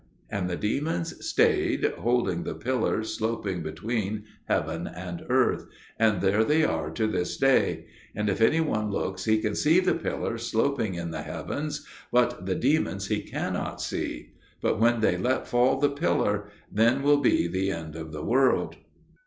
And the demons stayed, holding the Pillar sloping between heaven and earth; and there they are to this day. And if any one looks, he can see the Pillar sloping in the heavens, but the demons he cannot see. But when they let fall the Pillar, then will be the end of the world.